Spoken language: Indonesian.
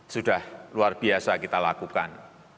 sudah luar biasa kita lakukan